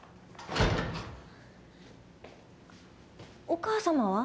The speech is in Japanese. お母様は？